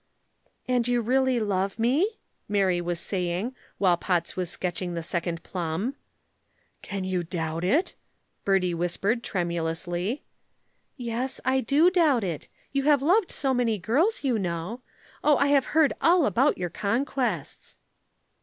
"And you really love me?" Mary was saying, while Potts was sketching the second plum. "Can you doubt it?" Bertie whispered tremulously. "Yes, I do doubt it. You have loved so many girls, you know. Oh, I have heard all about your conquests."